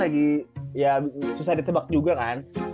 lagi ya susah ditebak juga kan